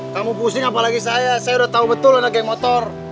kamu pusing apalagi saya saya udah tahu betul anak geng motor